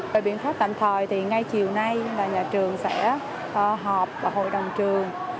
về biện pháp tạm thời thì ngay chiều nay là nhà trường sẽ họp vào hội đồng trường